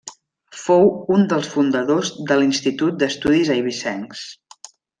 Fou un dels fundadors de l'Institut d'Estudis Eivissencs.